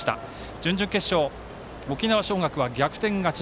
準々決勝、沖縄尚学は逆転勝ち。